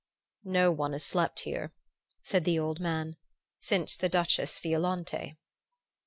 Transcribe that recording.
"No one has slept here," said the old man, "since the Duchess Violante."